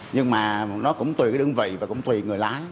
nhưng mà nó cũng tùy cái đơn vị và cũng tùy người lái